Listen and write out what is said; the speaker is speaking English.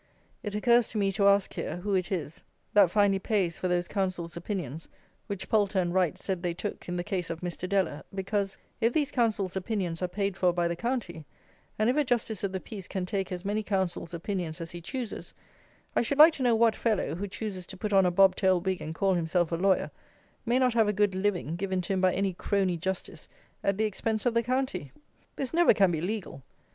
It occurs to me to ask here, who it is that finally pays for those "counsels' opinions" which Poulter and Wright said they took in the case of Mr. Deller; because, if these counsels' opinions are paid for by the county, and if a Justice of the Peace can take as many counsels' opinions as he chooses, I should like to know what fellow, who chooses to put on a bobtail wig and call himself a lawyer, may not have a good living given to him by any crony Justice at the expense of the county. This never can be legal.